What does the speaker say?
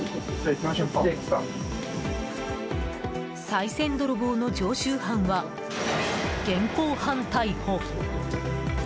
さい銭泥棒の常習犯は現行犯逮捕。